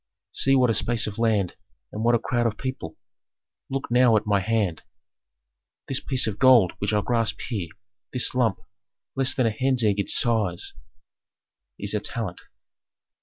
See what a space of land and what a crowd of people; look now at my hand. "This piece of gold which I grasp here, this lump, less than a hen's egg in size, is a talent.